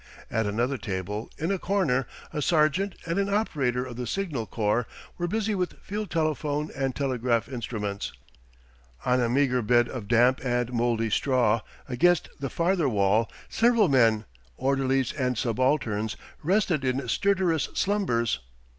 At another table, in a corner, a sergeant and an operator of the Signal Corps were busy with field telephone and telegraph instruments. On a meagre bed of damp and mouldy straw, against the farther wall, several men, orderlies and subalterns, rested in stertorous slumbers.